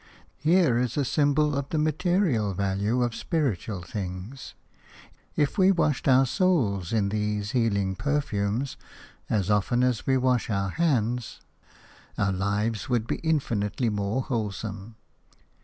Here is a symbol of the material value of spiritual things. If we washed our souls in these healing perfumes as often as we wash our hands, our lives would be infinitely more wholesome.